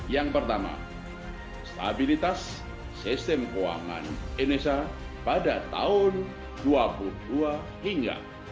yang pertama stabilitas sistem keuangan indonesia pada tahun dua puluh dua hingga maret dua ribu dua puluh tiga menunjukkan pertahanan yang kuat